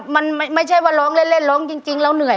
มันไม่ใช่ว่าร้องเล่นร้องจริงแล้วเหนื่อย